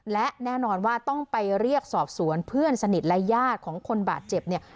และแน่นอนว่าต้องไปเรียกสอบสวนเพื่อนสนิทและญาติของคนบาดเจ็บเนี่ย